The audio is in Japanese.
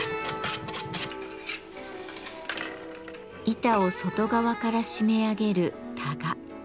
板を外側から締め上げる「タガ」。